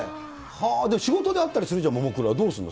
でも仕事で会ったりするじゃん、ももクロは、どうすんの？